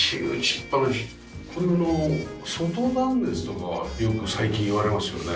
この頃外断熱とかよく最近言われますよね。